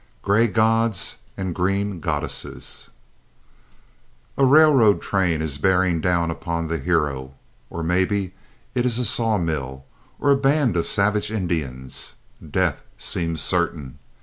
Gray Gods and Green Goddesses A railroad train is bearing down upon the hero, or maybe it is a sawmill, or a band of savage Indians. Death seems certain.